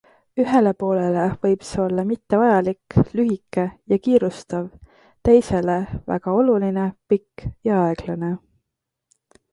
Ühele poolele võib see olla mittevajalik, lühike ja kiirustav, teisele väga oluline, pikk ja aeglane.